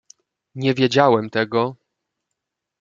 "Nie wiedziałem tego."